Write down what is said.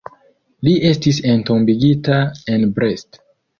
Li estis entombigita en Brest.